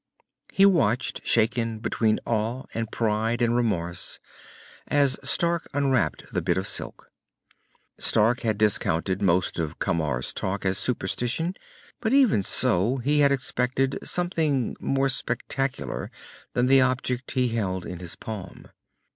He watched, shaken between awe and pride and remorse, as Stark unwrapped the bit of silk. Stark had discounted most of Camar's talk as superstition, but even so he had expected something more spectacular than the object he held in his palm.